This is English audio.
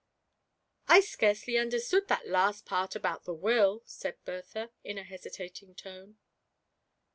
"I scarcely imderstood that last part about the Will," said Bertha, in a hesitating tone.